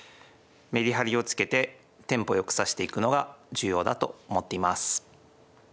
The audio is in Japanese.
メリハリをつけてテンポよく指していくのが重要だと思っています。